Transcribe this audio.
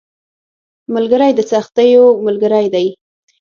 ملګری د سختیو ملګری دی